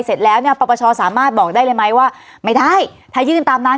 เสร็จแล้วเนี่ยปปชสามารถบอกได้เลยไหมว่าไม่ได้ถ้ายื่นตามนั้น